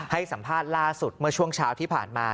ให้สัมภาษณ์ล่าสุดเมื่อช่วงเช้าที่ผ่านมา